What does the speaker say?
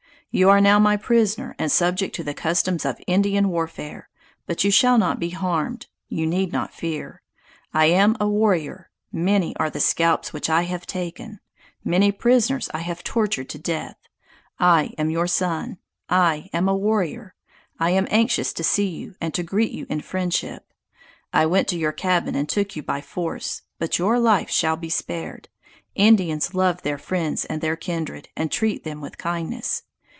You are now my prisoner, and subject to the customs of Indian warfare: but you shall not be harmed; you need not fear. I am a warrior! Many are the scalps which I have taken! Many prisoners I have tortured to death! I am your son! I am a warrior! I was anxious to see you, and to greet you in friendship. I went to your cabin and took you by force! But your life shall be spared. Indians love their friends and their kindred, and treat them with kindness.